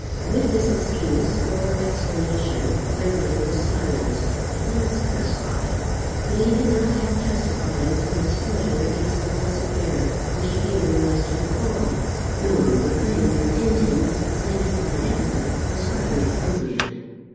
With this excuse, or explanation, Waverley was silenced, if not satisfied; but he could not help testifying some displeasure against the Blessed Bear, which had given rise to the quarrel, nor refrain from hinting that the sanctified epithet was hardly appropriate.